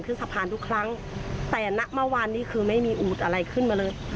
ขึ้นสะพานทุกครั้งแต่ณเมื่อวานนี้คือไม่มีอูดอะไรขึ้นมาเลย